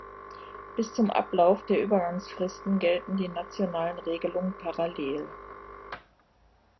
Bis zum Ablauf der Übergangsfristen gelten die nationalen Regelungen parallel.